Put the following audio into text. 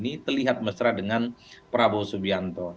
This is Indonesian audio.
antara pemilih yang lebih keganjar dan elit elitnya yang belakangan itu